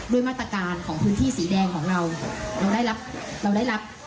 โดยมาตรการของพื้นที่สีแดงของเราแล้วได้รับแล้วได้รับ